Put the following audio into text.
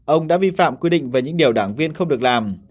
ông đã vi phạm quy định về những điều đảng viên không được làm